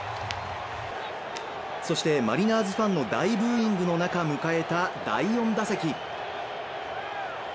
そして、マリナーズファンの大ブーイングの中迎えた第４打席。